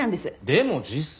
でも実際。